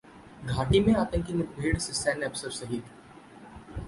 घाटी में आतंकी मुठभेड़ में सैन्य अफसर शहीद